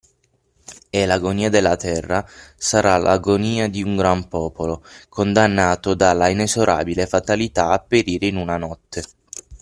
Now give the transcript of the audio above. E l’agonia della terra sarà l’agonia di un gran popolo, condannato dalla inesorabile fatalità a perire in una notte!